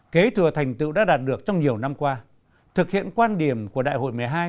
kế thừa thành tựu đã đạt được trong nhiều năm qua thực hiện quan điểm của đại hội một mươi hai